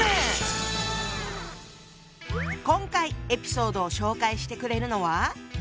今回エピソードを紹介してくれるのは。